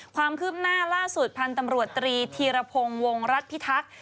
ความคืบหน้าล่าสุดพันธ์ตำรวจตรีธีรพงศ์วงรัฐพิทักษ์